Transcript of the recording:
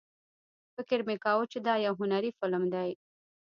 فکر مې کاوه چې دا یو هنري فلم دی.